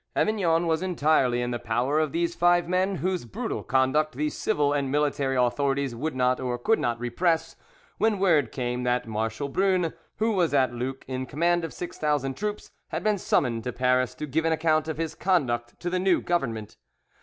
Avignon was entirely in the power of these five men, whose brutal conduct the civil and military authorities would not or could not repress, when word came that Marshal Brune, who was at Luc in command of six thousand troops, had been summoned to Paris to give an account of his conduct to the new Government.